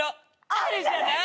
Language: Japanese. あるじゃない。